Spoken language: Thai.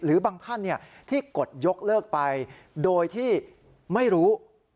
หรือบางท่านที่กดยกเลิกไปโดยที่ไม่รู้